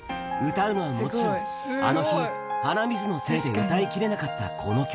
歌うのはもちろん、あの日、鼻水のせいで歌いきれなかったこの曲。